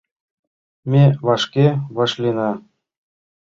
Ме вашке вашлийына